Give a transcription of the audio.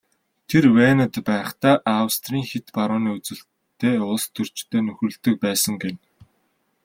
Тэр Венад байхдаа Австрийн хэт барууны үзэлтэй улстөрчтэй нөхөрлөдөг байсан гэнэ.